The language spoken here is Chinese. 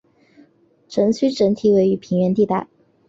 城区整体位于平原地带。